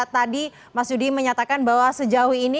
tadi mas yudi menyatakan bahwa sejauh ini